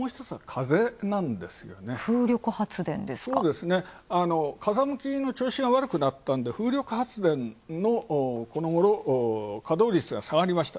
風力発電ですか、風向きの調子が悪くなったので、風力発電の、このごろ稼働率が下がりました。